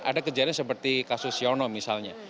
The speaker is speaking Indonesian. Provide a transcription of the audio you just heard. ada kejadian seperti kasus siono misalnya